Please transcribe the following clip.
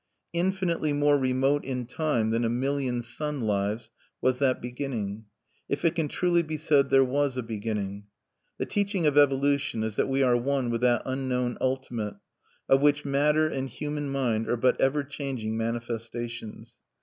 Infinitely more remote in time than a million sun lives was that beginning, if it can truly be said there was a beginning. The teaching of Evolution is that we are one with that unknown Ultimate, of which matter and human mind are but ever changing manifestations.